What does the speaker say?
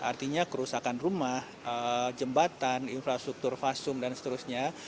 artinya kerusakan rumah jembatan infrastruktur fasum dan seterusnya